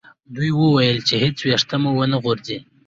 دوی وویل چې هیڅ ویښته مو و نه غورځي.